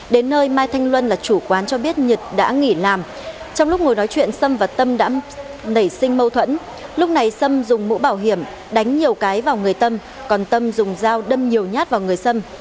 đến nơi mai thanh luân là chủ quán cho biết nhật đã nghỉ làm trong lúc ngồi nói chuyện sâm và tâm đã nảy sinh mâu thuẫn lúc này sâm dùng mũ bảo hiểm đánh nhiều cái vào người tâm còn tâm dùng dao đâm nhiều nhát vào người sâm